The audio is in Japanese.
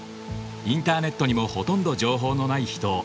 インターネットにもほとんど情報のない秘湯。